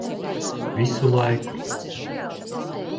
Visu laiku.